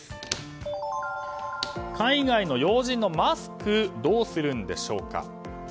海外要人のマスクどうするんでしょうか。